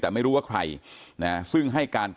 แต่ไม่รู้ว่าใคร